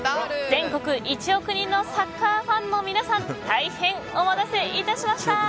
全国１億人のサッカーファンの皆さん大変お待たせいたしました！